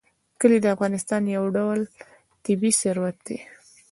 کلي د افغانستان یو ډول طبعي ثروت دی.